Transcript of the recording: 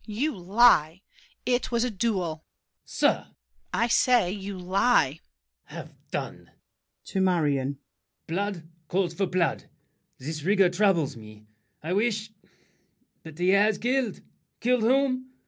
You lie! it was a duel. LAFFEMAS. Sir! DIDIER. I say, you lie! LAFFEMAS. Have done! [To Marion.] Blood calls For blood; this rigor troubles me— I wish— But he has killed—killed whom?